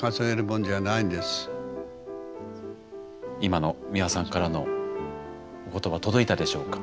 今の美輪さんからのお言葉届いたでしょうか？